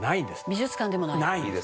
「美術館でもない」「ない」